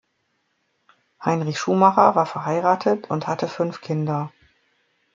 Heinrich Schumacher war verheiratet und hatte fünf Kinder.